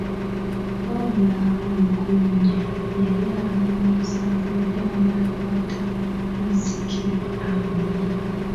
Wabula Waggoonya yali alowooza ngeri gy'anaakwata Wazzike amulye.